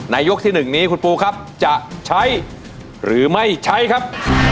ยกที่๑นี้คุณปูครับจะใช้หรือไม่ใช้ครับ